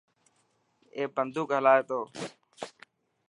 اي بندوڪ هلائي ٿو.